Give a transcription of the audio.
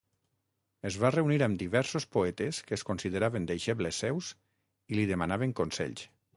Es va reunir amb diversos poetes que es consideraven deixebles seus i li demanaven consells.